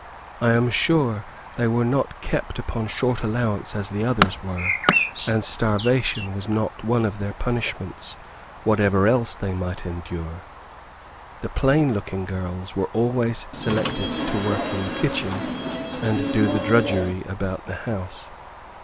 I am sure they were not kept upon short allowance as the others were, and starvation was not one of their punishments, whatever else they might endure. The plain looking girls were always selected to work in the kitchen, and do the drudgery about the house.